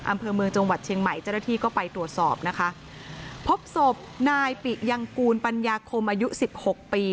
อำเภอเมืองจังหวัดเชียงใหม่เจ้าหน้าที่ก็ไปตรวจสอบนะคะพบศพนายปิยังกูลปัญญาคมอายุสิบหกปี